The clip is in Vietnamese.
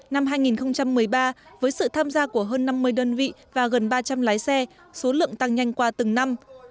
năm hai nghìn một mươi ba với sự tham gia của hơn năm mươi đơn vị và gần ba trăm linh lái xe số lượng tăng nhanh qua từng năm